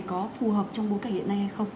có phù hợp trong bối cảnh hiện nay hay không